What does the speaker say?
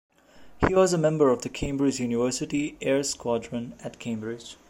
He was a member of the Cambridge University Air Squadron at Cambridge.